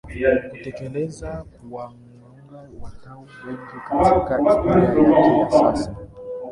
kutekeleza kuwanyonga watu wengi katika historia yake ya sasa